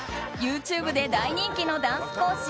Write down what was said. ＹｏｕＴｕｂｅで大人気のダンス講師